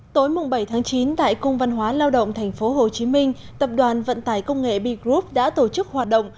tối bảy tháng chín tại cung văn hóa lao động tp hcm tập đoàn vận tải công nghệ b group đã tổ chức hoạt động